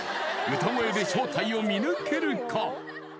歌声で正体を見抜けるか？